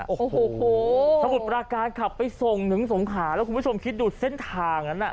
โอ้โหสมุทรปราการขับไปส่งถึงสงขาแล้วคุณผู้ชมคิดดูเส้นทางนั้นน่ะ